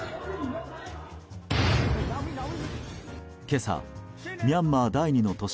今朝、ミャンマー第２の都市